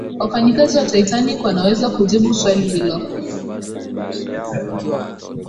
wafanyakazi wa titanic wanaweza kujibu swali hilo